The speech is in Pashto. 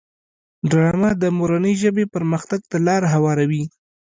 ډرامه د مورنۍ ژبې پرمختګ ته لاره هواروي